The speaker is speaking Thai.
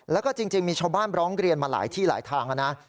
แล้วก็จริงมีชาวบ้านร้องเรียนมาหลายที่หลายทางนะ